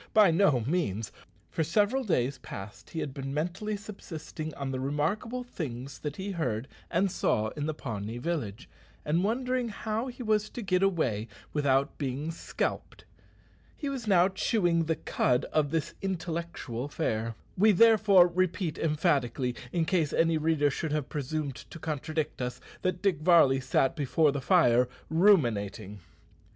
By no means. For several days past he had been mentally subsisting on the remarkable things that he heard and saw in the Pawnee village, and wondering how he was to get away without being scalped. He was now chewing the cud of this intellectual fare. We therefore repeat emphatically in case any reader should have presumed to contradict us that Dick Varley sat before the fire ruminating!